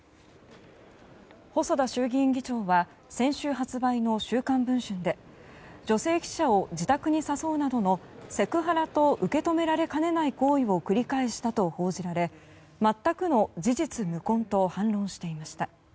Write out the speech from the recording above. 細田衆議院議長は先週発売の「週刊文春」で女性記者を自宅に誘うなどのセクハラと受け止められかねない行為を繰り返したと報じられ全くの事実無根と反論していました。